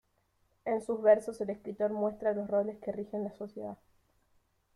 En sus versos el escritor muestra los roles que rigen la sociedad.